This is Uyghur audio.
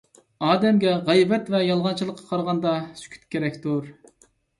ئادەمگە غەيۋەت ۋە يالغانچىلىققا قارىغاندا، سۈكۈت كېرەكتۇر.